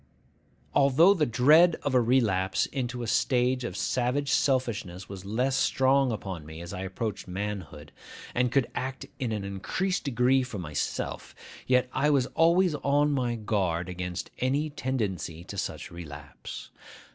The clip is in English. Although the dread of a relapse into a stage of savage selfishness was less strong upon me as I approached manhood, and could act in an increased degree for myself, yet I was always on my guard against any tendency to such relapse.